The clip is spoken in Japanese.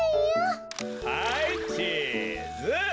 はいチーズ。